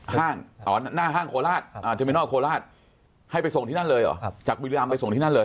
หน้าห้างโคราชเทอร์มินอลโคราชให้ไปส่งที่นั่นเลยเหรอจากบุรีรำไปส่งที่นั่นเลย